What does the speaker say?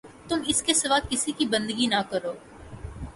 تم اس کے سوا کسی کی بندگی نہ کرو